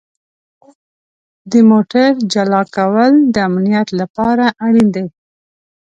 د موټر جلا کول د امنیت لپاره اړین دي.